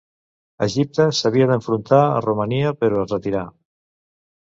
Egipte s'havia d'enfrontar a Romania però es retirà.